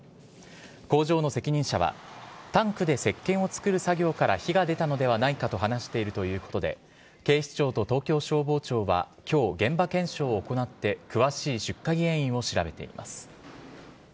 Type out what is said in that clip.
工場の責任者はタンクでせっけんを作る作業から火が出たのではないかと話しているということで警視庁と東京消防庁は今日、現場検証を行って詳しい出火原因を調べています。